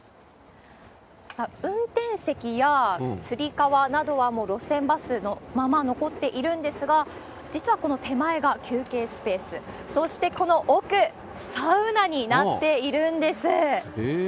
運転席やつり革などは、もう路線バスのまま残っているんですが、実はこの手前が休憩スペース、そしてこの奥、サウナになっているへぇー。